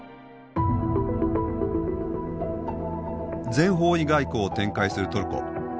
全方位外交を展開するトルコ。